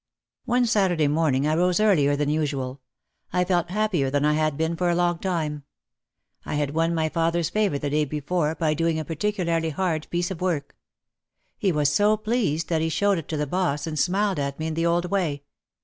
One Saturday morning I rose earlier than usual. I felt happier than I had been for a long time. I had won my father's favour the day before by doing a particularly hard piece of work. He was so pleased that he showed it to the boss and smiled at me in the old way.